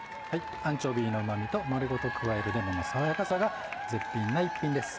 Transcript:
アンチョビーのうま味と丸ごと加えるレモンの爽やかさが絶品な一品です。